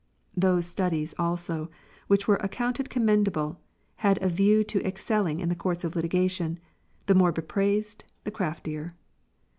6. Those studies also, which were accounted commendable, had a view to excelling in the courts of litigation ; the more bepraised, the craftier.